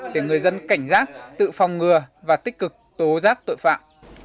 để người dân cảnh giác tự phòng ngừa và tích cực tố giác tội phạm